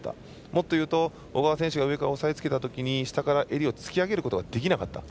もっと言うと小川選手が上から押さえつけたときに下から襟を突き上げることはできなかった。